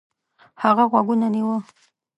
هغه غوږ ونه نیوه.